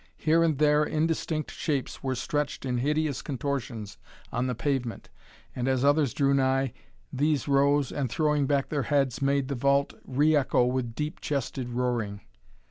Here and there indistinct shapes were stretched in hideous contortions on the pavement, and as others drew nigh, these rose and, throwing back their heads, made the vault re echo with deep chested roaring.